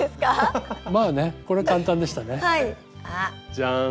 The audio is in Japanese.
じゃん。